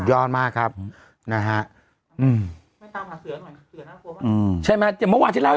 ยังไงยังไงยังไงยังไงยังไง